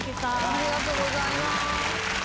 ありがとうございます。